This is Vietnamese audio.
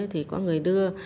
thì có người đưa